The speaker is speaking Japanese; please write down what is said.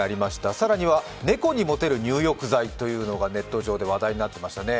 さらには猫にモテる入浴剤というのがネット上で話題になってましたね。